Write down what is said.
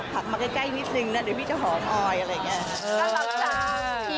ผักมาใกล้นิดนึงนะเดี๋ยวพี่จะหอมออยอะไรอย่างนี้